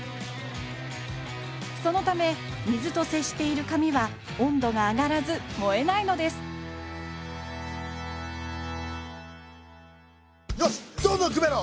そのため水と接している紙は温度が上がらず燃えないのですよしどんどんくべろ！